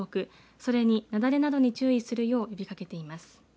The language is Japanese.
それに、なだれなどに注意するよう呼びかけています。